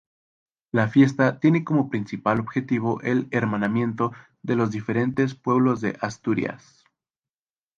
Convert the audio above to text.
La fiesta tiene como principal objetivo el hermanamiento de los diferentes pueblos de Asturias.